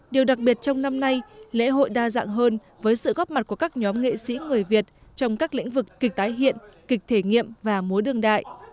điều đặc biệt trong năm nay lễ hội đa dạng hơn với sự góp mặt của các nhóm nghệ sĩ người việt trong các lĩnh vực kịch tái hiện kịch thể nghiệm và múa đương đại